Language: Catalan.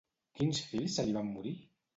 Quins fills se li van morir?